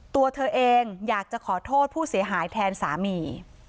ตัวเธอเองอยากจะขอโทษผู้เสียหายแทนสามี